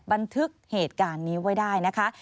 บันทึกเหตุการณ์นี้ไว้ได้นะคะ